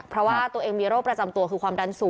เพราะว่าตัวเองมีโรคประจำตัวคือความดันสูง